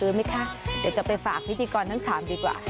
ไหมคะเดี๋ยวจะไปฝากพิธีกรทั้ง๓ดีกว่า